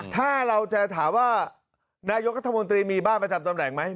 ถ้าเราจะถามว่านายกรัฐมนตรีมีบ้านประจำตำแหน่งไหม